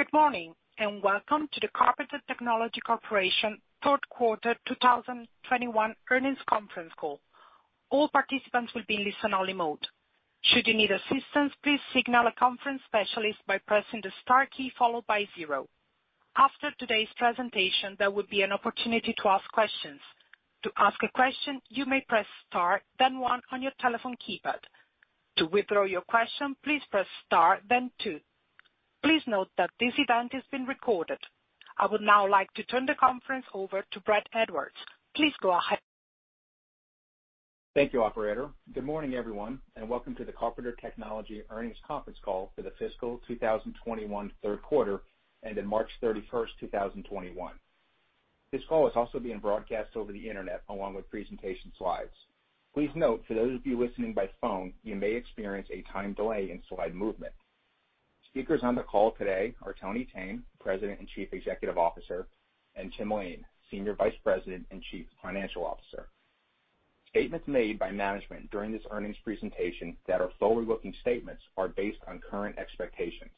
Good morning, and welcome to the Carpenter Technology Corporation Third Quarter 2021 Earnings Conference Call. All participants will be in listen-only mode. Should you need assistance, please signal a conference specialist by pressing the star key followed by zero. After today's presentation, there will be an opportunity to ask questions. To ask a question, you may press star then one on your telephone keypad. To withdraw your question, please press star then two. Please note that this event is being recorded. I would now like to turn the conference over to Brad Edwards. Please go ahead. Thank you, operator. Good morning, everyone, and welcome to the Carpenter Technology Earnings Conference Call for the Fiscal 2021 Third Quarter ended March 31st, 2021. This call is also being broadcast over the internet along with presentation slides. Please note, for those of you listening by phone, you may experience a time delay in slide movement. Speakers on the call today are Tony Thene, President and Chief Executive Officer, and Tim Lain, Senior Vice President and Chief Financial Officer. Statements made by management during this earnings presentation that are forward-looking statements are based on current expectations.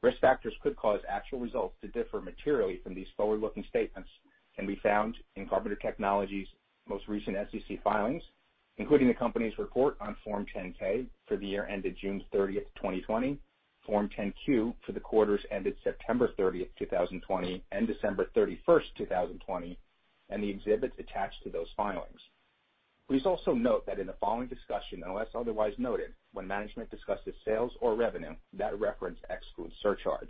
Risk factors could cause actual results to differ materially from these forward-looking statements can be found in Carpenter Technology's most recent SEC filings, including the company's report on Form 10-K for the year ended June 30th, 2020, Form 10-Q for the quarters ended September 30th, 2020, and December 31st, 2020, and the exhibits attached to those filings. Please also note that in the following discussion, unless otherwise noted, when management discusses sales or revenue, that reference excludes surcharge.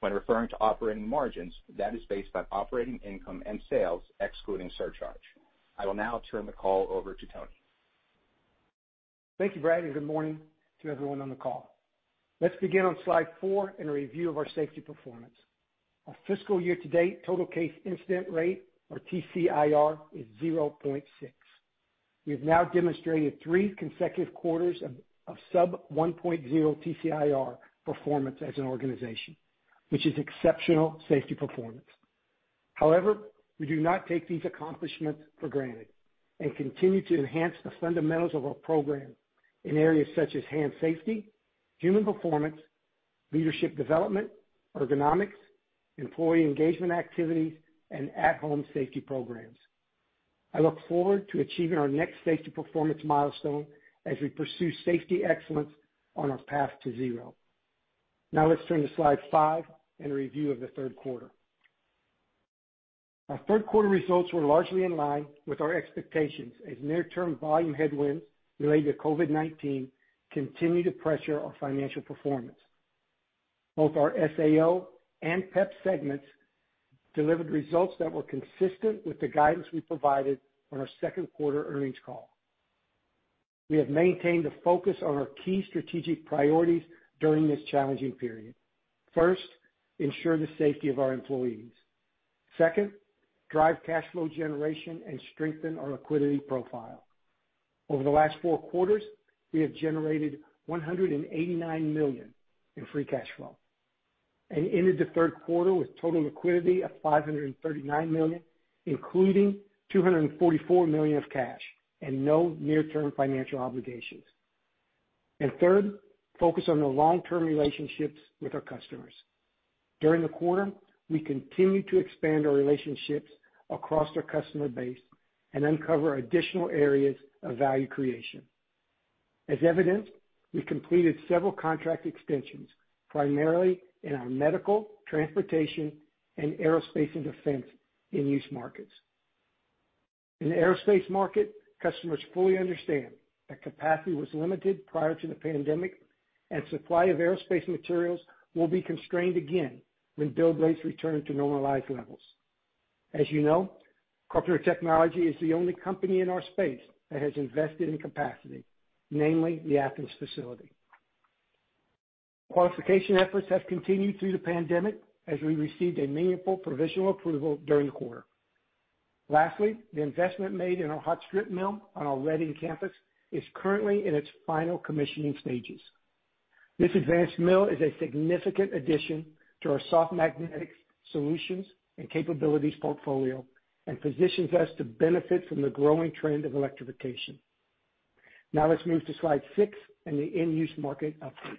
When referring to operating margins, that is based on operating income and sales excluding surcharge. I will now turn the call over to Tony. Thank you, Brad, and good morning to everyone on the call. Let's begin on slide four in a review of our safety performance. Our fiscal year to date total case incident rate, or TCIR, is 0.6. We have now demonstrated three consecutive quarters of sub 1.0 TCIR performance as an organization, which is exceptional safety performance. However, we do not take these accomplishments for granted and continue to enhance the fundamentals of our program in areas such as hand safety, human performance, leadership development, ergonomics, employee engagement activities, and at-home safety programs. I look forward to achieving our next safety performance milestone as we pursue safety excellence on our path to zero. Now let's turn to slide five and a review of the third quarter. Our third quarter results were largely in line with our expectations as near-term volume headwinds related to COVID-19 continue to pressure our financial performance. Both our SAO and PEP segments delivered results that were consistent with the guidance we provided on our second quarter earnings call. We have maintained a focus on our key strategic priorities during this challenging period. First, ensure the safety of our employees. Second, drive cash flow generation and strengthen our liquidity profile. Over the last four quarters, we have generated $189 million in free cash flow, and ended the third quarter with total liquidity of $539 million, including $244 million of cash and no near-term financial obligations. Third, focus on the long-term relationships with our customers. During the quarter, we continued to expand our relationships across our customer base and uncover additional areas of value creation. As evidenced, we completed several contract extensions, primarily in our medical, transportation, and aerospace and defense end-use markets. In the aerospace market, customers fully understand that capacity was limited prior to the pandemic, and supply of aerospace materials will be constrained again when build rates return to normalized levels. As you know, Carpenter Technology is the only company in our space that has invested in capacity, namely the Athens facility. Qualification efforts have continued through the pandemic as we received a meaningful provisional approval during the quarter. Lastly, the investment made in our hot-strip mill on our Reading campus is currently in its final commissioning stages. This advanced mill is a significant addition to our soft magnetic solutions and capabilities portfolio and positions us to benefit from the growing trend of electrification. Now let's move to slide six and the end-use market update.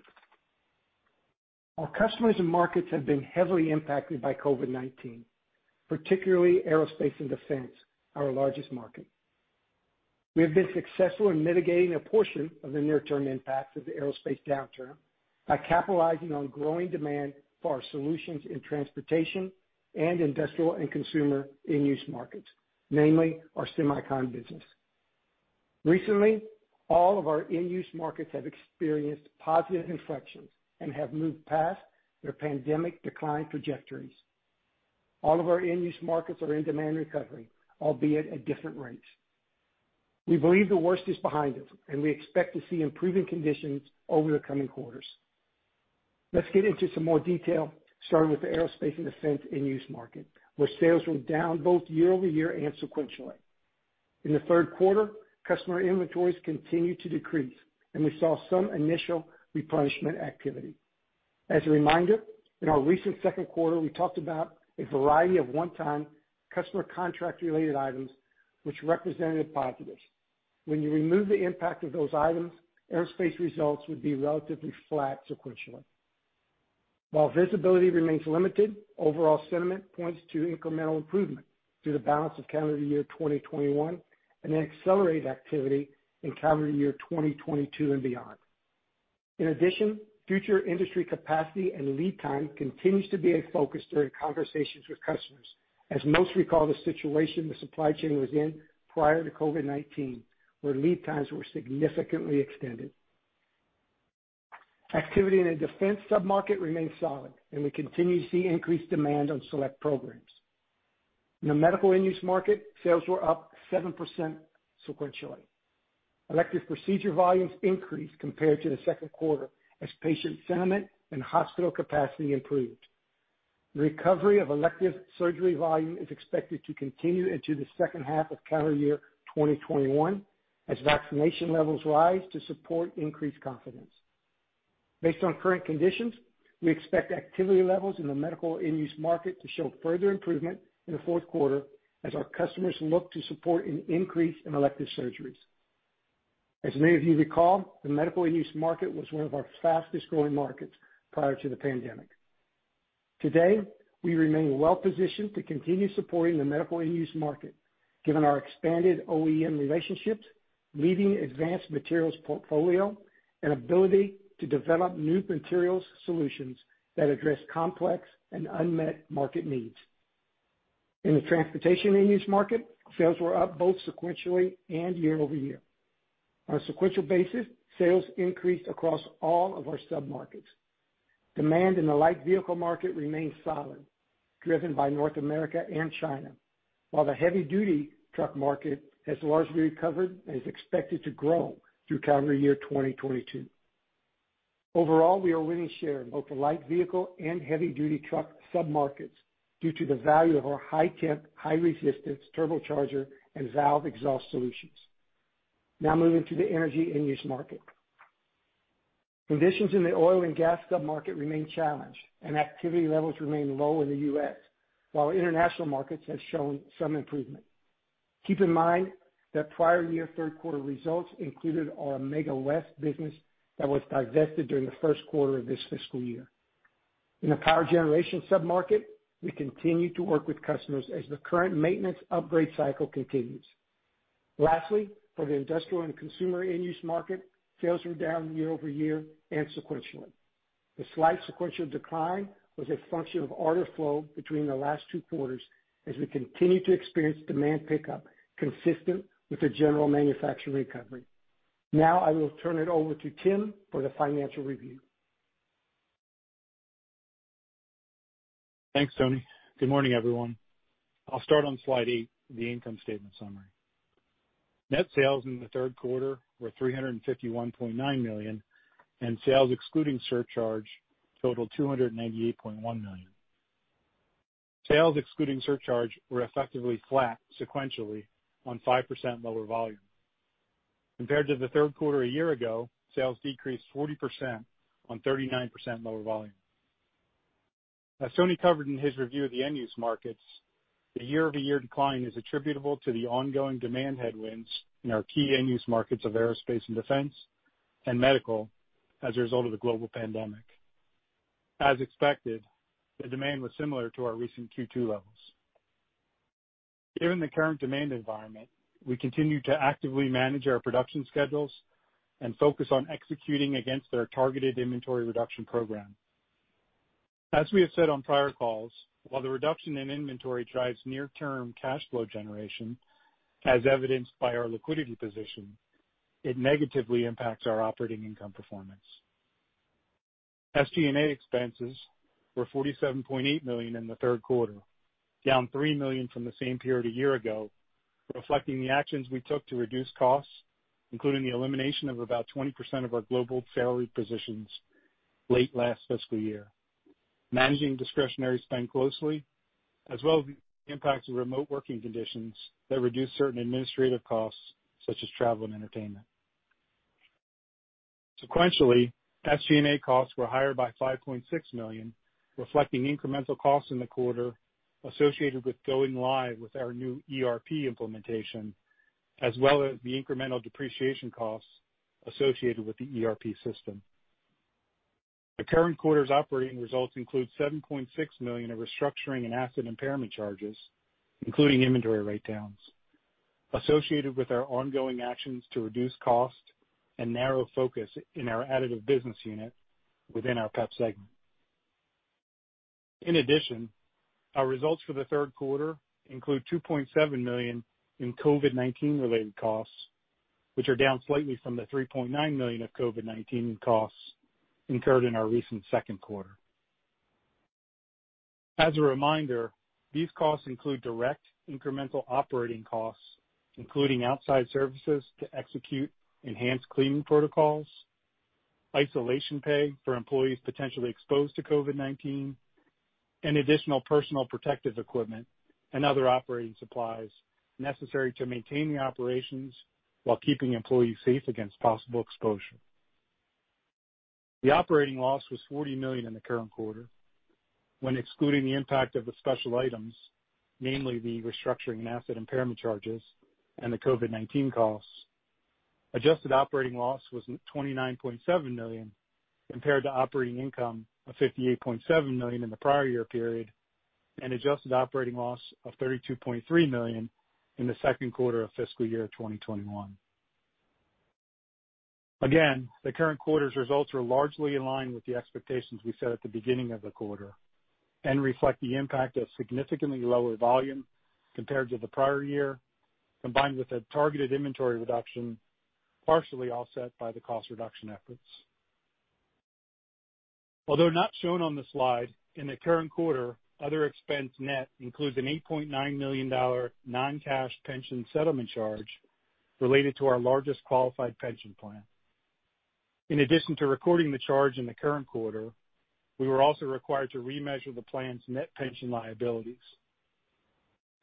Our customers and markets have been heavily impacted by COVID-19, particularly aerospace and defense, our largest market. We have been successful in mitigating a portion of the near-term impacts of the aerospace downturn by capitalizing on growing demand for our solutions in transportation and industrial and consumer end-use markets, namely our semi-con business. Recently, all of our end-use markets have experienced positive inflections and have moved past their pandemic decline trajectories. All of our end-use markets are in demand recovery, albeit at different rates. We believe the worst is behind us, and we expect to see improving conditions over the coming quarters. Let's get into some more detail, starting with the aerospace and defense end-use market, where sales were down both year-over-year and sequentially. In the third quarter, customer inventories continued to decrease, and we saw some initial replenishment activity. As a reminder, in our recent second quarter, we talked about a variety of one-time customer contract-related items, which represented a positive. When you remove the impact of those items, aerospace results would be relatively flat sequentially. While visibility remains limited, overall sentiment points to incremental improvement through the balance of calendar year 2021, then accelerated activity in calendar year 2022 and beyond. In addition, future industry capacity and lead time continues to be a focus during conversations with customers, as most recall the situation the supply chain was in prior to COVID-19, where lead times were significantly extended. Activity in the defense sub-market remains solid, and we continue to see increased demand on select programs. In the medical end-use market, sales were up 7% sequentially. Elective procedure volumes increased compared to the second quarter as patient sentiment and hospital capacity improved. The recovery of elective surgery volume is expected to continue into the second half of calendar year 2021, as vaccination levels rise to support increased confidence. Based on current conditions, we expect activity levels in the medical end-use market to show further improvement in the fourth quarter as our customers look to support an increase in elective surgeries. As many of you recall, the medical end-use market was one of our fastest-growing markets prior to the pandemic. Today, we remain well-positioned to continue supporting the medical end-use market given our expanded OEM relationships, leading advanced materials portfolio, and ability to develop new materials solutions that address complex and unmet market needs. In the transportation end-use market, sales were up both sequentially and year-over-year. On a sequential basis, sales increased across all of our sub-markets. Demand in the light vehicle market remains solid, driven by North America and China, while the heavy-duty truck market has largely recovered and is expected to grow through calendar year 2022. Overall, we are winning share in both the light vehicle and heavy-duty truck sub-markets due to the value of our high-temp, high-resistance turbocharger and valve exhaust solutions. Now moving to the energy end-use market. Conditions in the oil and gas sub-market remain challenged, and activity levels remain low in the U.S., while international markets have shown some improvement. Keep in mind that prior year third quarter results included our Amega West business that was divested during the first quarter of this fiscal year. In the power generation sub-market, we continue to work with customers as the current maintenance upgrade cycle continues. Lastly, for the industrial and consumer end-use market, sales were down year-over-year and sequentially. The slight sequential decline was a function of order flow between the last two quarters as we continue to experience demand pickup consistent with the general manufacturing recovery. Now I will turn it over to Tim for the financial review. Thanks, Tony. Good morning, everyone. I'll start on slide eight, the income statement summary. Net sales in the third quarter were $351.9 million, and sales excluding surcharge totaled $298.1 million. Sales excluding surcharge were effectively flat sequentially on 5% lower volume. Compared to the third quarter a year ago, sales decreased 40% on 39% lower volume. As Tony covered in his review of the end-use markets, the year-over-year decline is attributable to the ongoing demand headwinds in our key end-use markets of aerospace and defense and medical as a result of the global pandemic. As expected, the demand was similar to our recent Q2 levels. Given the current demand environment, we continue to actively manage our production schedules and focus on executing against our targeted inventory reduction program. As we have said on prior calls, while the reduction in inventory drives near-term cash flow generation, as evidenced by our liquidity position, it negatively impacts our operating income performance. SG&A expenses were $47.8 million in the third quarter, down $3 million from the same period a year ago, reflecting the actions we took to reduce costs, including the elimination of about 20% of our global salary positions late last fiscal year. Managing discretionary spend closely, as well as the impact of remote working conditions that reduce certain administrative costs such as travel and entertainment. Sequentially, SG&A costs were higher by $5.6 million, reflecting incremental costs in the quarter associated with going live with our new ERP implementation, as well as the incremental depreciation costs associated with the ERP system. The current quarter's operating results include $7.6 million of restructuring and asset impairment charges, including inventory write-downs, associated with our ongoing actions to reduce cost and narrow focus in our additive business unit within our PEP segment. In addition, our results for the third quarter include $2.7 million in COVID-19 related costs, which are down slightly from the $3.9 million of COVID-19 costs incurred in our recent second quarter. As a reminder, these costs include direct incremental operating costs, including outside services to execute enhanced cleaning protocols, isolation pay for employees potentially exposed to COVID-19, and additional personal protective equipment and other operating supplies necessary to maintain the operations while keeping employees safe against possible exposure. The operating loss was $40 million in the current quarter. When excluding the impact of the special items, namely the restructuring and asset impairment charges and the COVID-19 costs, adjusted operating loss was $29.7 million compared to operating income of $58.7 million in the prior year period, and adjusted operating loss of $32.3 million in the second quarter of fiscal year 2021. Again, the current quarter's results are largely in line with the expectations we set at the beginning of the quarter, and reflect the impact of significantly lower volume compared to the prior year, combined with a targeted inventory reduction, partially offset by the cost reduction efforts. Although not shown on the slide, in the current quarter, other expense net includes an $8.9 million non-cash pension settlement charge related to our largest qualified pension plan. In addition to recording the charge in the current quarter, we were also required to remeasure the plan's net pension liabilities.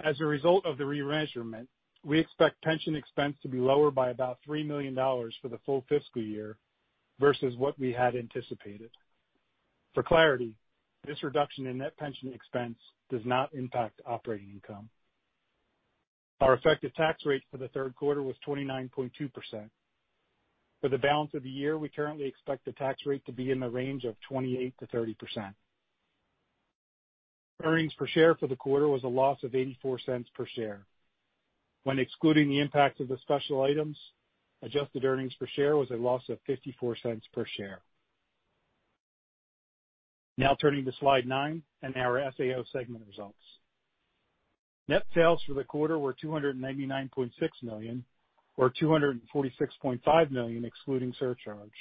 As a result of the remeasurement, we expect pension expense to be lower by about $3 million for the full fiscal year versus what we had anticipated. For clarity, this reduction in net pension expense does not impact operating income. Our effective tax rate for the third quarter was 29.2%. For the balance of the year, we currently expect the tax rate to be in the range of 28%-30%. Earnings per share for the quarter was a loss of $0.84 per share. When excluding the impact of the special items, adjusted earnings per share was a loss of $0.54 per share. Now turning to slide nine and our SAO segment results. Net sales for the quarter were $299.6 million or $246.5 million excluding surcharge.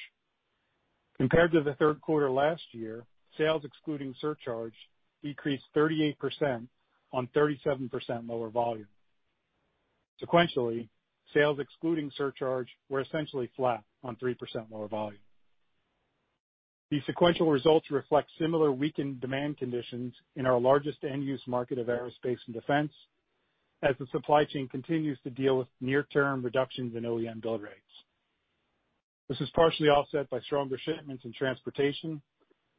Compared to the third quarter last year, sales excluding surcharge decreased 38% on 37% lower volume. Sequentially, sales excluding surcharge were essentially flat on 3% lower volume. The sequential results reflect similar weakened demand conditions in our largest end-use market of aerospace and defense, as the supply chain continues to deal with near-term reductions in OEM build rates. This is partially offset by stronger shipments in transportation,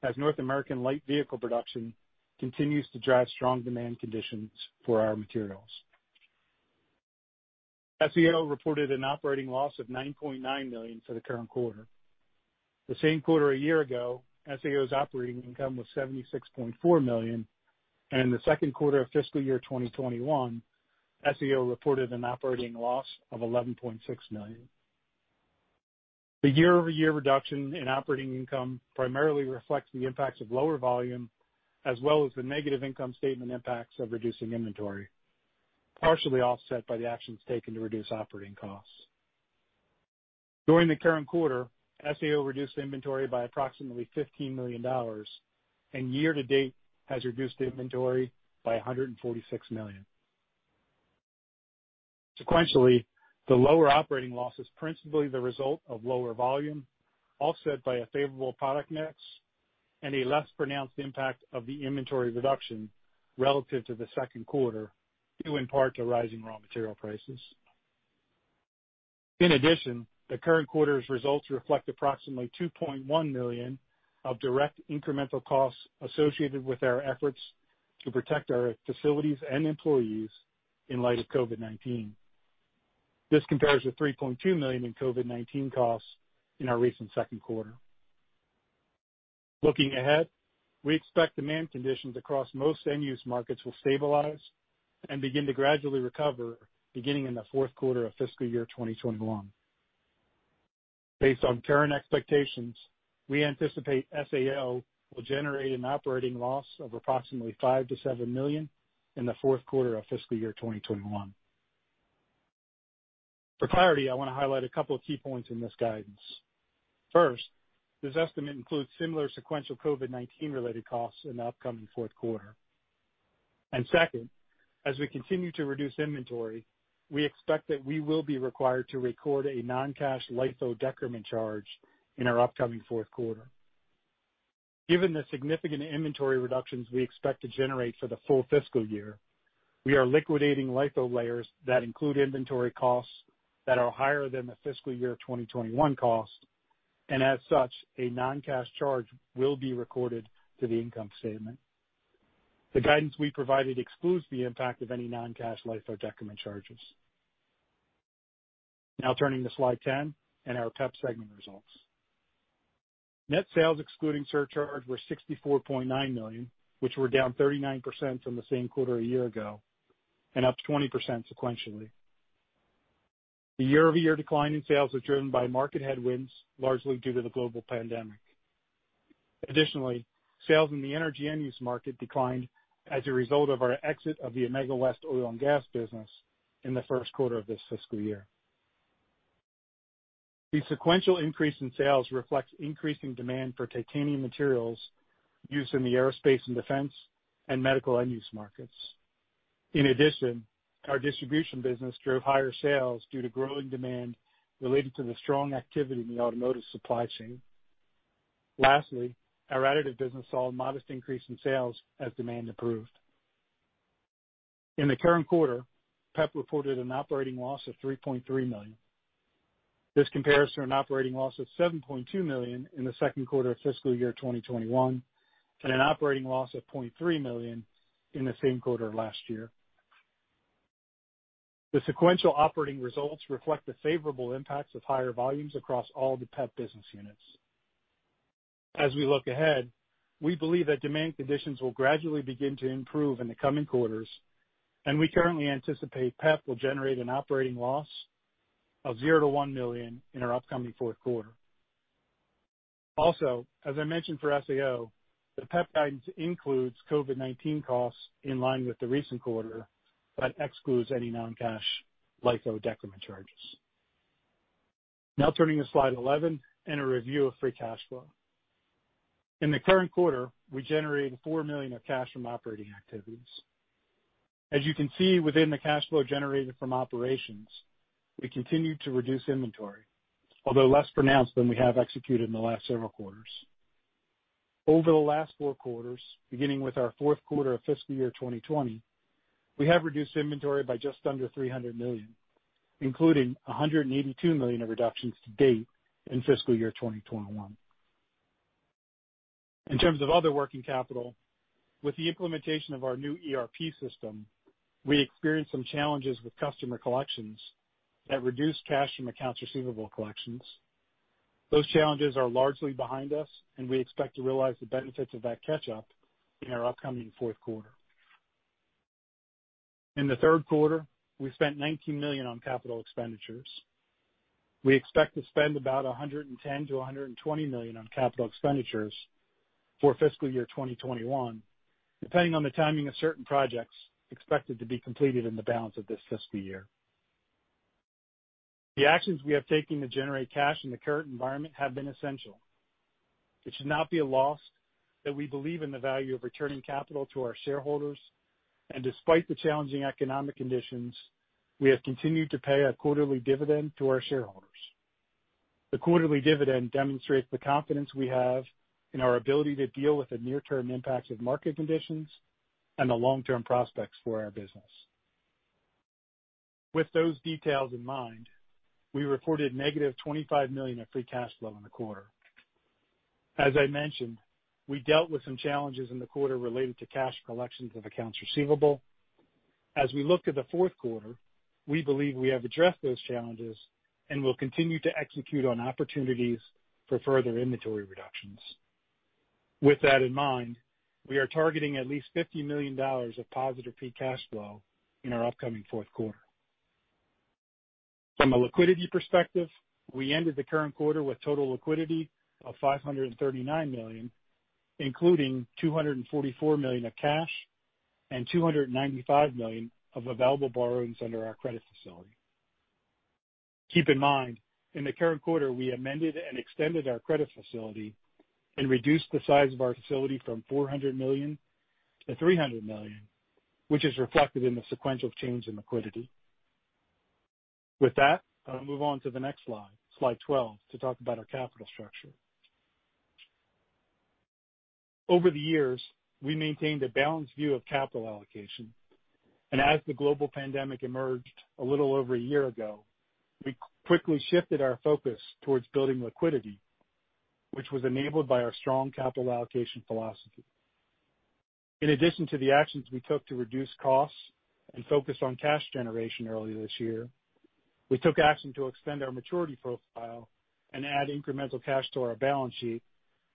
as North American light vehicle production continues to drive strong demand conditions for our materials. SAO reported an operating loss of $9.9 million for the current quarter. The same quarter a year ago, SAO's operating income was $76.4 million, and in the second quarter of fiscal year 2021, SAO reported an operating loss of $11.6 million. The year-over-year reduction in operating income primarily reflects the impacts of lower volume, as well as the negative income statement impacts of reducing inventory, partially offset by the actions taken to reduce operating costs. During the current quarter, SAO reduced inventory by approximately $15 million, and year-to-date has reduced inventory by $146 million. Sequentially, the lower operating loss is principally the result of lower volume, offset by a favorable product mix and a less pronounced impact of the inventory reduction relative to the second quarter, due in part to rising raw material prices. In addition, the current quarter's results reflect approximately $2.1 million of direct incremental costs associated with our efforts to protect our facilities and employees in light of COVID-19. This compares with $3.2 million in COVID-19 costs in our recent second quarter. Looking ahead, we expect demand conditions across most end-use markets will stabilize and begin to gradually recover beginning in the fourth quarter of fiscal year 2021. Based on current expectations, we anticipate SAO will generate an operating loss of approximately $5 million-$7 million in the fourth quarter of fiscal year 2021. For clarity, I want to highlight a couple of key points in this guidance. First, this estimate includes similar sequential COVID-19 related costs in the upcoming fourth quarter. Second, as we continue to reduce inventory, we expect that we will be required to record a non-cash LIFO decrement charge in our upcoming fourth quarter. Given the significant inventory reductions we expect to generate for the full fiscal year, we are liquidating LIFO layers that include inventory costs that are higher than the fiscal year 2021 costs, and as such, a non-cash charge will be recorded to the income statement. The guidance we provided excludes the impact of any non-cash LIFO decrement charges. Now turning to slide 10 and our PEP segment results. Net sales excluding surcharge were $64.9 million, which were down 39% from the same quarter a year ago, and up 20% sequentially. The year-over-year decline in sales was driven by market headwinds, largely due to the global pandemic. Additionally, sales in the energy end-use market declined as a result of our exit of the Amega West oil and gas business in the first quarter of this fiscal year. The sequential increase in sales reflects increasing demand for titanium materials used in the aerospace and defense and medical end-use markets. In addition, our distribution business drove higher sales due to growing demand related to the strong activity in the automotive supply chain. Lastly, our additive business saw a modest increase in sales as demand improved. In the current quarter, PEP reported an operating loss of $3.3 million. This compares to an operating loss of $7.2 million in the second quarter of FY 2021, and an operating loss of $0.3 million in the same quarter last year. The sequential operating results reflect the favorable impacts of higher volumes across all the PEP business units. As we look ahead, we believe that demand conditions will gradually begin to improve in the coming quarters, and we currently anticipate PEP will generate an operating loss of $0-$1 million in our upcoming fourth quarter. As I mentioned for SAO, the PEP guidance includes COVID-19 costs in line with the recent quarter, but excludes any non-cash LIFO decrement charges. Turning to slide 11 and a review of free cash flow. In the current quarter, we generated $4 million of cash from operating activities. As you can see within the cash flow generated from operations, we continued to reduce inventory, although less pronounced than we have executed in the last several quarters. Over the last four quarters, beginning with our fourth quarter of fiscal year 2020, we have reduced inventory by just under $300 million, including $182 million of reductions to date in fiscal year 2021. In terms of other working capital, with the implementation of our new ERP system, we experienced some challenges with customer collections that reduced cash from accounts receivable collections. Those challenges are largely behind us, and we expect to realize the benefits of that catch-up in our upcoming fourth quarter. In the third quarter, we spent $90 million on capital expenditures. We expect to spend about $110 million-$120 million on capital expenditures for fiscal year 2021, depending on the timing of certain projects expected to be completed in the balance of this fiscal year. The actions we have taken to generate cash in the current environment have been essential. It should not be a loss that we believe in the value of returning capital to our shareholders, and despite the challenging economic conditions, we have continued to pay a quarterly dividend to our shareholders. The quarterly dividend demonstrates the confidence we have in our ability to deal with the near-term impacts of market conditions and the long-term prospects for our business. With those details in mind, we reported negative $25 million of free cash flow in the quarter. As I mentioned, we dealt with some challenges in the quarter related to cash collections of accounts receivable. As we look to the fourth quarter, we believe we have addressed those challenges and will continue to execute on opportunities for further inventory reductions. With that in mind, we are targeting at least $50 million of positive free cash flow in our upcoming fourth quarter. From a liquidity perspective, we ended the current quarter with total liquidity of $539 million, including $244 million of cash and $295 million of available borrowings under our credit facility. Keep in mind, in the current quarter, we amended and extended our credit facility and reduced the size of our facility from $400 million-$300 million, which is reflected in the sequential change in liquidity. With that, I'll move on to the next slide 12, to talk about our capital structure. Over the years, we maintained a balanced view of capital allocation, and as the global pandemic emerged a little over a year ago, we quickly shifted our focus towards building liquidity, which was enabled by our strong capital allocation philosophy. In addition to the actions we took to reduce costs and focus on cash generation earlier this year, we took action to extend our maturity profile and add incremental cash to our balance sheet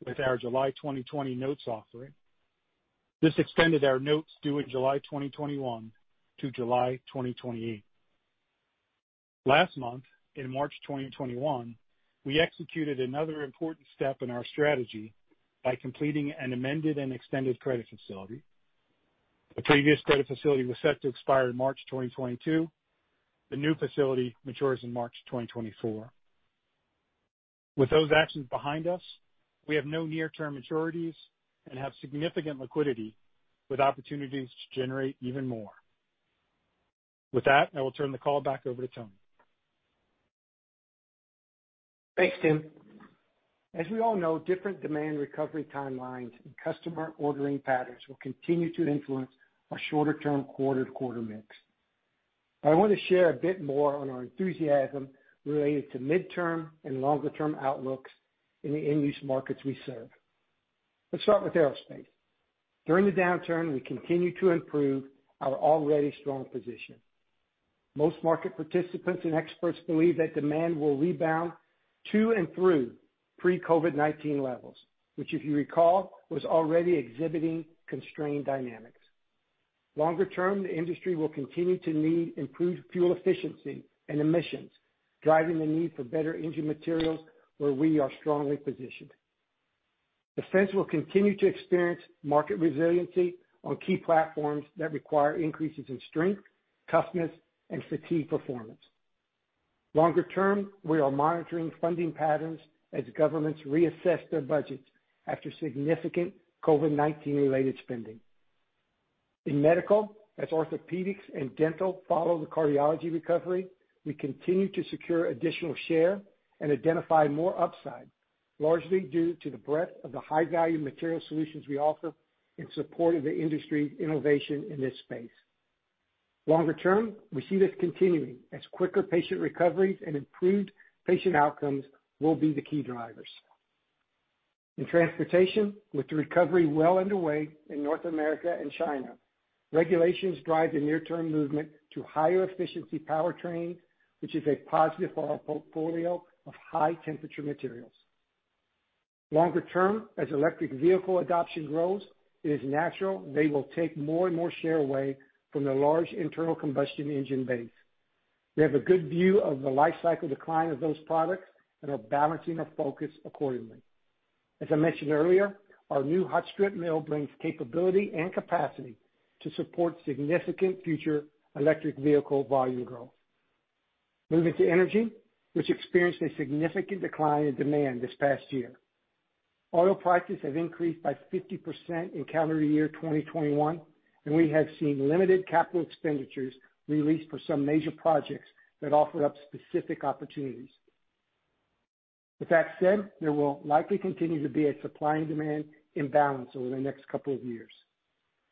with our July 2020 notes offering. This extended our notes due in July 2021 to July 2028. Last month, in March 2021, we executed another important step in our strategy by completing an amended and extended credit facility. The previous credit facility was set to expire in March 2022. The new facility matures in March 2024. With those actions behind us, we have no near-term maturities and have significant liquidity with opportunities to generate even more. With that, I will turn the call back over to Tony. Thanks, Tim. As we all know, different demand recovery timelines and customer ordering patterns will continue to influence our shorter-term quarter-to-quarter mix. I want to share a bit more on our enthusiasm related to midterm and longer-term outlooks in the end-use markets we serve. Let's start with aerospace. During the downturn, we continued to improve our already strong position. Most market participants and experts believe that demand will rebound to and through pre-COVID-19 levels, which if you recall, was already exhibiting constrained dynamics. Longer term, the industry will continue to need improved fuel efficiency and emissions, driving the need for better engine materials, where we are strongly positioned. Defense will continue to experience market resiliency on key platforms that require increases in strength, toughness, and fatigue performance. Longer term, we are monitoring funding patterns as governments reassess their budgets after significant COVID-19 related spending. In medical, as orthopedics and dental follow the cardiology recovery, we continue to secure additional share and identify more upside. Largely due to the breadth of the high-value material solutions we offer in support of the industry's innovation in this space. Longer term, we see this continuing as quicker patient recoveries and improved patient outcomes will be the key drivers. In transportation, with the recovery well underway in North America and China, regulations drive the near-term movement to higher efficiency powertrain, which is a positive for our portfolio of high-temperature materials. Longer term, as electric vehicle adoption grows, it is natural they will take more and more share away from the large internal combustion engine base. We have a good view of the life cycle decline of those products and are balancing our focus accordingly. As I mentioned earlier, our new hot-strip mill brings capability and capacity to support significant future electric vehicle volume growth. Moving to energy, which experienced a significant decline in demand this past year. Oil prices have increased by 50% in calendar year 2021, and we have seen limited capital expenditures released for some major projects that offer up specific opportunities. With that said, there will likely continue to be a supply and demand imbalance over the next couple of years.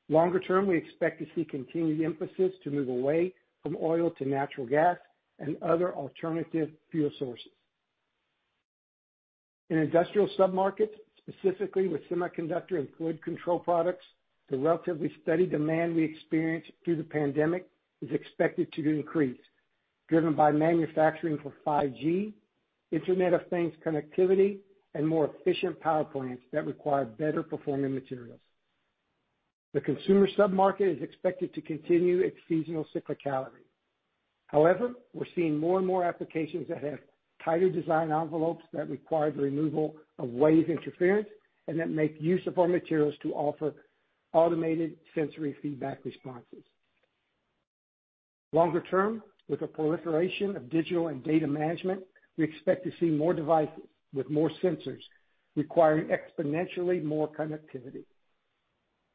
Longer term, we expect to see continued emphasis to move away from oil to natural gas and other alternative fuel sources. In industrial sub-markets, specifically with semiconductor and fluid control products, the relatively steady demand we experienced through the pandemic is expected to increase, driven by manufacturing for 5G, Internet of Things connectivity, and more efficient power plants that require better performing materials. The consumer sub-market is expected to continue its seasonal cyclicality. However, we're seeing more and more applications that have tighter design envelopes that require the removal of wave interference and that make use of our materials to offer automated sensory feedback responses. Longer term, with the proliferation of digital and data management, we expect to see more devices with more sensors requiring exponentially more connectivity.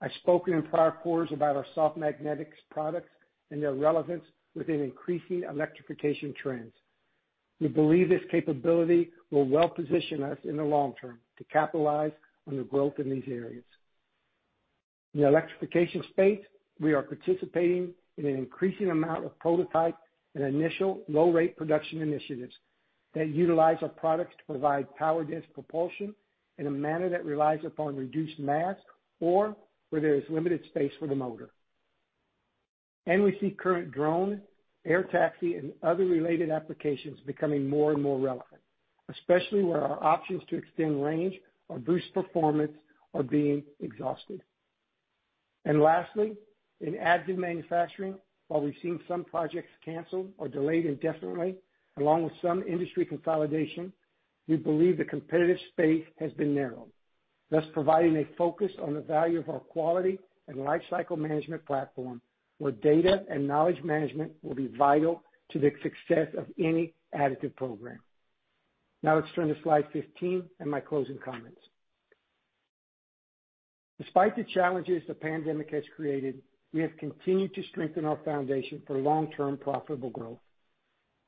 I've spoken in prior quarters about our soft magnetics products and their relevance within increasing electrification trends. We believe this capability will well position us in the long term to capitalize on the growth in these areas. In the electrification space, we are participating in an increasing amount of prototype and initial low-rate production initiatives that utilize our products to provide power and propulsion in a manner that relies upon reduced mass or where there is limited space for the motor. We see current drone, air taxi, and other related applications becoming more and more relevant, especially where our options to extend range or boost performance are being exhausted. Lastly, in additive manufacturing, while we've seen some projects canceled or delayed indefinitely, along with some industry consolidation, we believe the competitive space has been narrowed, thus providing a focus on the value of our quality and lifecycle management platform, where data and knowledge management will be vital to the success of any additive program. Now let's turn to slide 15 and my closing comments. Despite the challenges the pandemic has created, we have continued to strengthen our foundation for long-term profitable growth.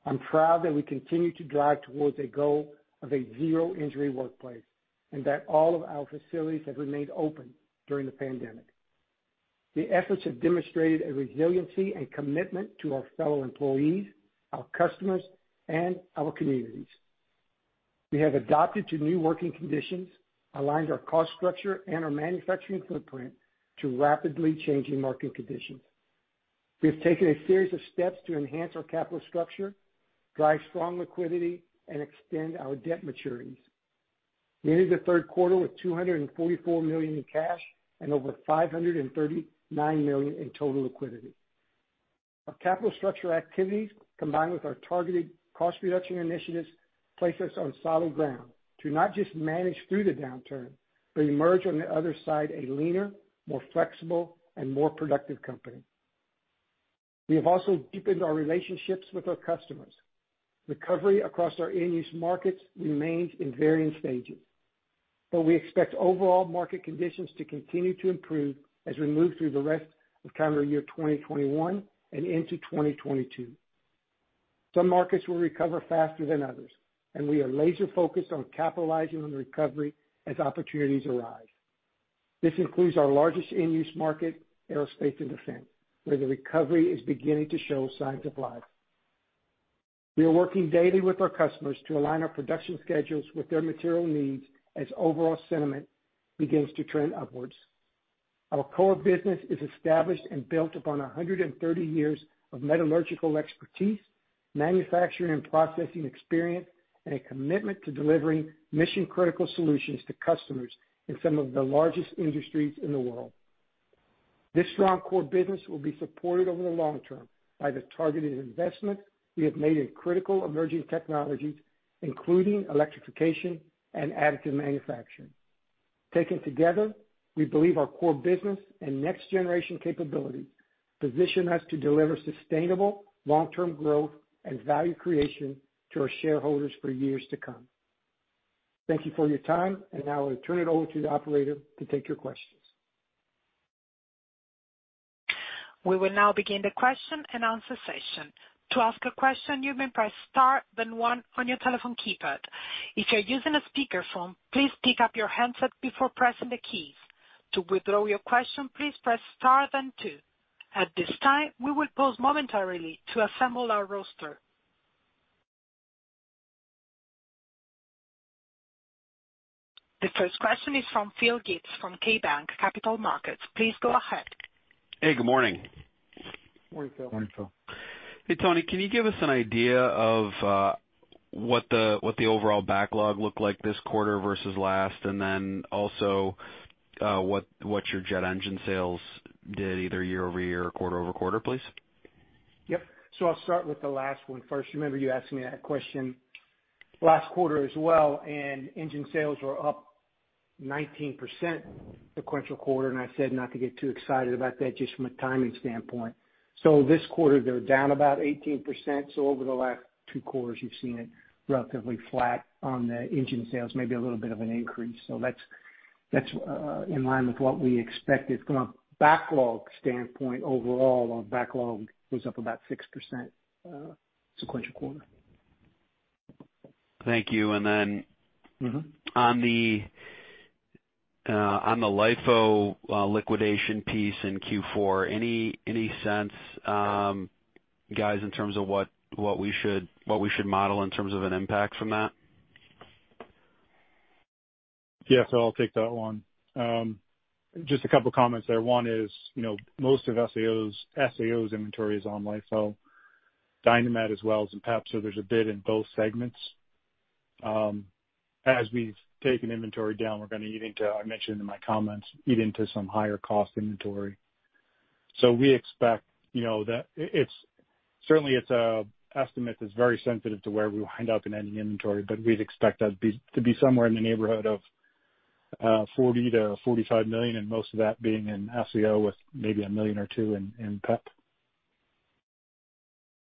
I'm proud that we continue to drive towards a goal of a zero-injury workplace and that all of our facilities have remained open during the pandemic. The efforts have demonstrated a resiliency and commitment to our fellow employees, our customers, and our communities. We have adapted to new working conditions, aligned our cost structure and our manufacturing footprint to rapidly changing market conditions. We have taken a series of steps to enhance our capital structure, drive strong liquidity, and extend our debt maturities. We ended the third quarter with $244 million in cash and over $539 million in total liquidity. Our capital structure activities, combined with our targeted cost reduction initiatives, place us on solid ground to not just manage through the downturn, but emerge on the other side a leaner, more flexible, and more productive company. We have also deepened our relationships with our customers. Recovery across our end-use markets remains in varying stages. We expect overall market conditions to continue to improve as we move through the rest of calendar year 2021 and into 2022. Some markets will recover faster than others. We are laser focused on capitalizing on the recovery as opportunities arise. This includes our largest end-use market, aerospace and defense, where the recovery is beginning to show signs of life. We are working daily with our customers to align our production schedules with their material needs as overall sentiment begins to trend upwards. Our core business is established and built upon 130 years of metallurgical expertise, manufacturing and processing experience, and a commitment to delivering mission-critical solutions to customers in some of the largest industries in the world. This strong core business will be supported over the long term by the targeted investment we have made in critical emerging technologies, including electrification and additive manufacturing. Taken together, we believe our core business and next-generation capabilities position us to deliver sustainable long-term growth and value creation to our shareholders for years to come. Thank you for your time, and now I turn it over to the Operator to take your questions. We will now begin the question and answer session. At this time, we will pause momentarily to assemble our roster. The first question is from Phil Gibbs from KeyBanc Capital Markets. Please go ahead. Hey, good morning. Morning, Phil. Morning, Phil. Hey, Tony. Can you give us an idea of what the overall backlog looked like this quarter versus last? Then also, what your jet engine sales did either year-over-year or quarter-over-quarter, please? Yep. I'll start with the last one first. You remember you asked me that question last quarter as well. Engine sales were up 19% sequential quarter, and I said not to get too excited about that just from a timing standpoint. This quarter, they're down about 18%, so over the last two quarters, you've seen it relatively flat on the engine sales, maybe a little bit of an increase. That's in line with what we expected. From a backlog standpoint, overall, our backlog was up about 6% sequential quarter. Thank you. On the LIFO liquidation piece in Q4, any sense, guys, in terms of what we should model in terms of an impact from that? Yeah, Phil, I'll take that one. Just a couple of comments there. One is, most of SAO's inventory is on LIFO, Dynamet as well as in PEP, so there's a bit in both segments. As we've taken inventory down, we're going to eat into, I mentioned in my comments, eat into some higher cost inventory. Certainly it's an estimate that's very sensitive to where we wind up in ending inventory, but we'd expect that to be somewhere in the neighborhood of $40 million-$45 million, and most of that being in SAO with maybe $1 million or $2 million in PEP.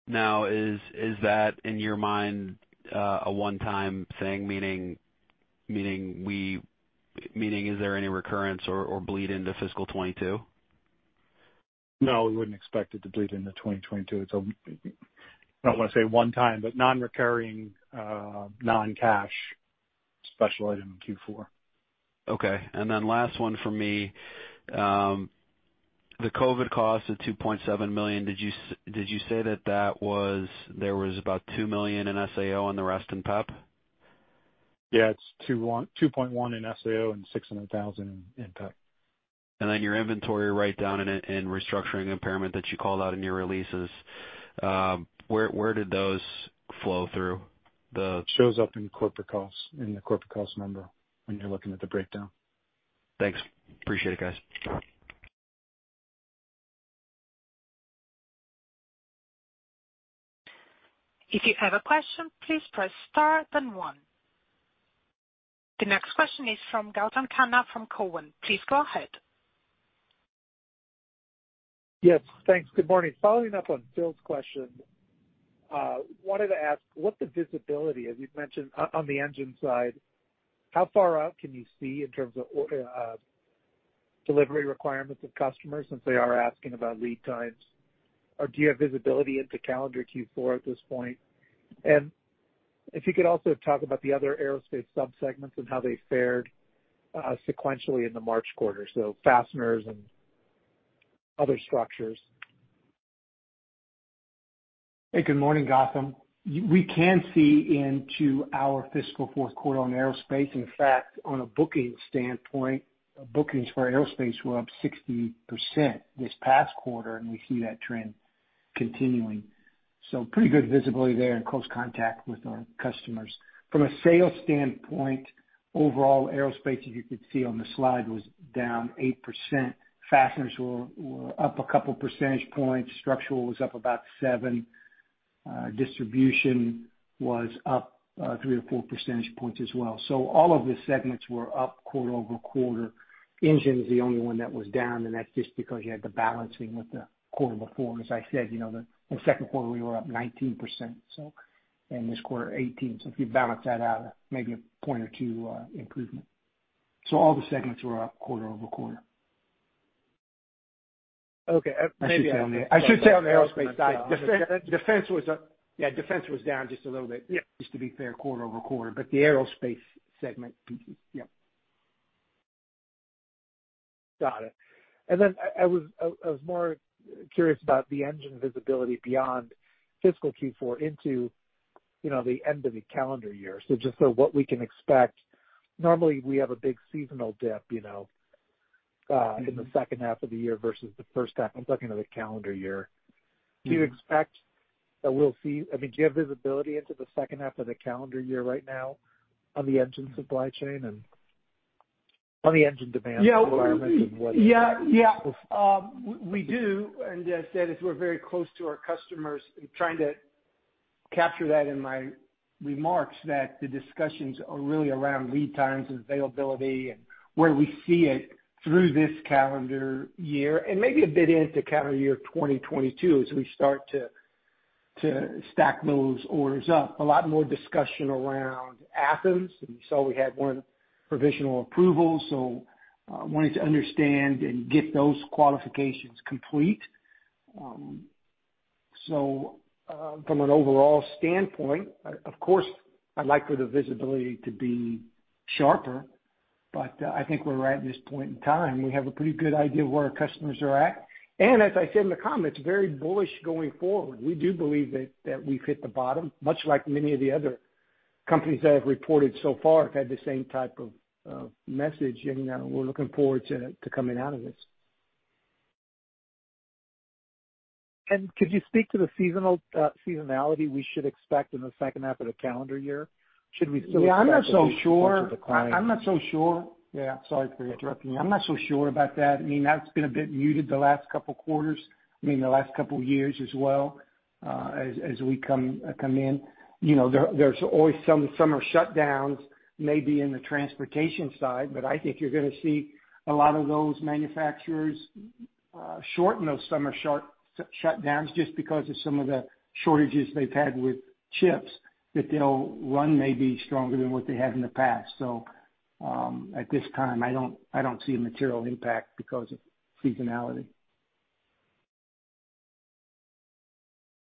Now, is that, in your mind, a one-time thing? Meaning is there any recurrence or bleed into fiscal 2022? No, we wouldn't expect it to bleed into 2022. I don't want to say one time, but non-recurring, non-cash special item in Q4. Okay. Last one from me. The COVID cost of $2.7 million, did you say that there was about $2 million in SAO and the rest in PEP? Yeah, it's $2.1 million in SAO and $600,000 in PEP. Your inventory write-down and restructuring impairment that you called out in your releases, where did those flow through? Shows up in corporate costs, in the corporate costs number when you're looking at the breakdown. Thanks. Appreciate it, guys. If you have a question, please press star, then one. The next question is from Gautam Khanna from Cowen. Please go ahead. Yes, thanks. Good morning. Following up on Phil's question, I wanted to ask what the visibility, as you've mentioned on the engine side, how far out can you see in terms of delivery requirements of customers since they are asking about lead times? Do you have visibility into calendar Q4 at this point? If you could also talk about the other aerospace sub-segments and how they fared sequentially in the March quarter, so fasteners and other structures. Hey, good morning, Gautam. We can see into our fiscal fourth quarter on aerospace. In fact, on a booking standpoint, bookings for aerospace were up 60% this past quarter, and we see that trend continuing. Pretty good visibility there and close contact with our customers. From a sales standpoint, overall aerospace, as you can see on the slide, was down 8%. Fasteners were up a couple percentage points. Structural was up about seven. Distribution was up three or four percentage points as well. All of the segments were up quarter-over-quarter. Engine is the only one that was down, and that's just because you had the balancing with the quarter before. As I said, the second quarter, we were up 19%, and this quarter 18. If you balance that out, maybe a point or two improvement. All the segments were up quarter-over-quarter. Okay. I should say on the aerospace side, defense was up. Yeah, defense was down just a little bit. Yep. Just to be fair, quarter-over-quarter. The Aerospace Segment, yep. Got it. I was more curious about the engine visibility beyond fiscal Q4 into the end of the calendar year. What we can expect. Normally, we have a big seasonal dip in the second half of the year versus the first half. I'm talking of the calendar year. Do you have visibility into the second half of the calendar year right now on the engine supply chain and on the engine demand requirements? Yeah. We do, as I said, as we're very close to our customers, trying to capture that in my remarks, that the discussions are really around lead times, availability, and where we see it through this calendar year and maybe a bit into calendar year 2022 as we start to stack those orders up. A lot more discussion around Athens. You saw we had one provisional approval, wanting to understand and get those qualifications complete. From an overall standpoint, of course, I'd like for the visibility to be sharper. I think we're at this point in time. We have a pretty good idea of where our customers are at. As I said in the comments, very bullish going forward. We do believe that we've hit the bottom, much like many of the other companies that have reported so far have had the same type of message. We're looking forward to coming out of this. Could you speak to the seasonality we should expect in the second half of the calendar year? Yeah, I'm not so sure. Should we expect to see much of a decline? I'm not so sure. Yeah, sorry for interrupting you. I'm not so sure about that. That's been a bit muted the last couple quarters, the last couple years as well, as we come in. There's always some summer shutdowns, maybe in the transportation side, but I think you're going to see a lot of those manufacturers shorten those summer shutdowns just because of some of the shortages they've had with chips, that they'll run maybe stronger than what they have in the past. At this time, I don't see a material impact because of seasonality.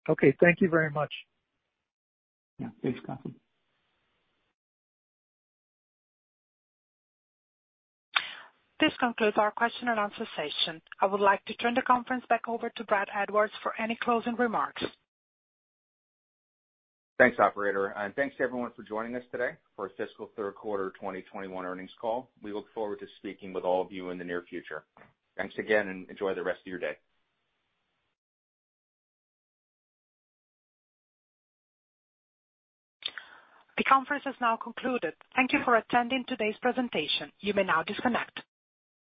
Okay, thank you very much. Yeah. Thanks, Gautam. This concludes our question and answer session. I would like to turn the conference back over to Brad Edwards for any closing remarks. Thanks, Operator, and thanks to everyone for joining us today for Fiscal Third Quarter 2021 Earnings Call. We look forward to speaking with all of you in the near future. Thanks again, and enjoy the rest of your day. The conference has now concluded. Thank you for attending today's presentation. You may now disconnect.